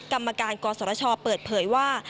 กรรมการกศชเปิดเผยว่า